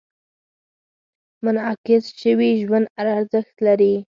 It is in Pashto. منعکس شوي ژوند ارزښت لري.